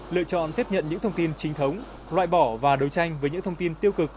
lựa chọn tiếp nhận những thông tin chính thống loại bỏ và đấu tranh với những thông tin tiêu cực